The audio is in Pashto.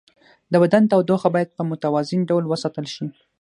د بدن تودوخه باید په متوازن ډول وساتل شي.